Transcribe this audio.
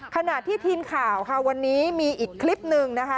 ขณะที่ทีมข่าวค่ะวันนี้มีอีกคลิปหนึ่งนะคะ